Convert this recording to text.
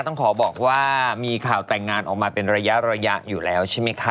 ต้องขอบอกว่ามีข่าวแต่งงานออกมาเป็นระยะอยู่แล้วใช่ไหมคะ